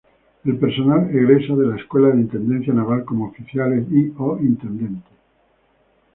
El personal egresa de la Escuela de Intendencia Naval como oficiales y o intendentes.